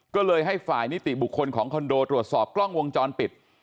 ก็เลยให้ฝ่ายนิติบุคคลของคอนโดตรวจสอบกล้องวงจรปิด